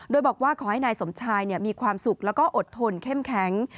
โดยบอกว่าขอให้นายสมชายมีความสุขแล้วก็อดทนเข้มแข็ง